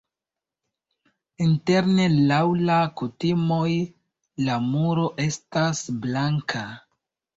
Interne laŭ la kutimoj la muro estas blanka.